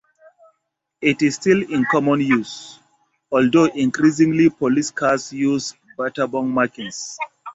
It is still in common use, although increasingly police cars use Battenburg markings.